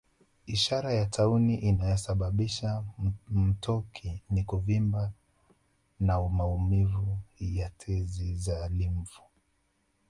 Ishara ya tauni inayosababisha mtoki ni kuvimba na maumivu ya tezi za limfu